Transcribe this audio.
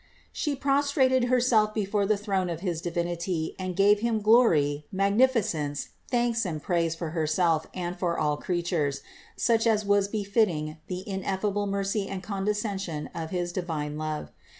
She prostrated Herself before the throne of his Divinity and gave Him glory, magnificence, thanks and praise for Herself and for all creatures, such as was befitting the ineffable mercy and condescension of his divine love.